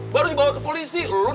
baru dibawa ke polisi lo nontonnya aja